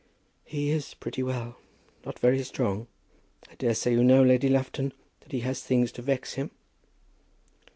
"He is pretty well, not quite strong. I daresay you know, Lady Lufton, that he has things to vex him?"